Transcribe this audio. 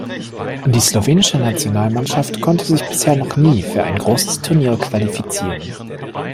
Die slowenische Nationalmannschaft konnte sich bisher noch nie für ein großes Turnier qualifizieren.